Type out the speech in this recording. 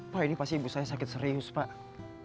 wah ini pasti ibu saya sakit serius pak